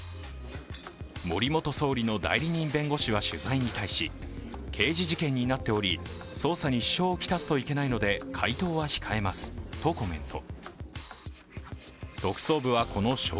森元総理の代理人弁護士は取材に対し、刑事事件になっており捜査に支障をきたすといけないので回答は控えますとコメント。